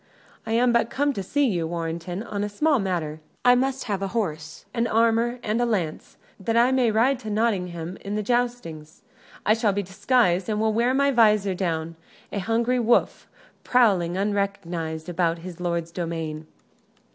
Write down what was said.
"I am but come to see you, Warrenton, on a small matter. I must have a horse and armor and a lance, that I may ride at Nottingham in the joustings. I shall be disguised, and will wear my visor down: a hungry wolf prowling unrecognized about his lord's domain."